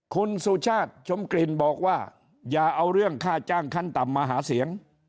คุณสุชาติชมกลิ่นบอกว่าอย่าเอาเรื่องค่าจ้างขั้นต่ำมาหาเสียง